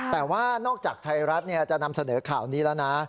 แต่ว่านอกจากไทยรัฐจะนำเสนอข่าวนี้แล้วนะ